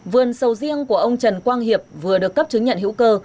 vườn sầu riêng của ông trần quang hiệp vừa được cấp chứng nhận hữu cơ